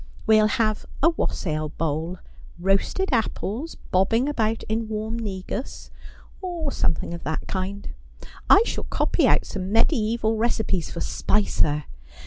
We'll have a wassail bowl : roasted apples bobbing about in warm negus, or something of that kind. I shall copy out some mediasval recipes for Spicer.